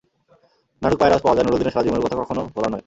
নাটক পায়ের আওয়াজ পাওয়া যায়, নুরুলদীনের সারা জীবনের কথা কখনো ভোলার নয়।